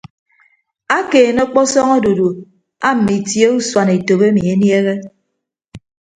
Akeene ọkpọsọñ odudu aamme itie usuan etop emi eniehe.